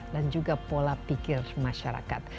dan juga pola pikir masyarakat